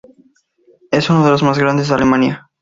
Es uno de los más grandes de Alemania.